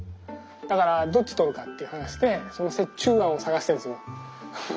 だからどっちとるかっていう話でその折衷案を探してるんです。